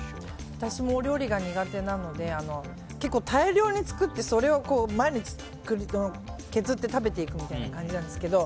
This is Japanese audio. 私もお料理が苦手なので大量に作ってそれを毎日削って食べていくみたいな感じなんですけど。